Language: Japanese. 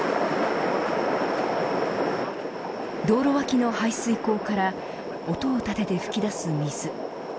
道路脇の排水溝から音を立てて噴き出す水。